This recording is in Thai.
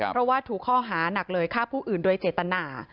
เพราะว่าถูกข้อหานักเลยฆ่าผู้อื่นโดยเจตนา